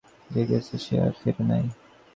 যে গেছে সে আর ফেরে নাই।